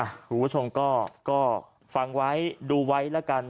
คุณผู้ชมก็ฟังไว้ดูไว้แล้วกัน